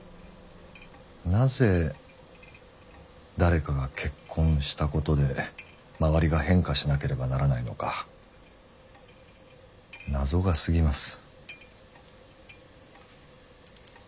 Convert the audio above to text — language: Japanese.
なぜ誰かが結婚したことで周りが変化しなければならないのか謎がすぎます。